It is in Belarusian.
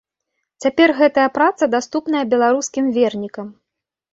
Цяпер гэтая праца даступная беларускім вернікам.